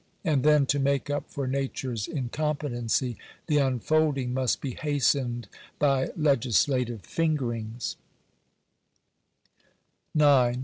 And then, to make up for nature's incompetency, the unfolding must be hastened by legislative fingerings 1 §9.